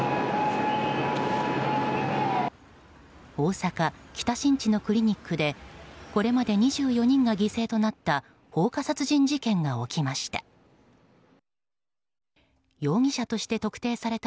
大阪・北新地のクリニックでこれまで２４人が犠牲となった放火殺人事件が起きました。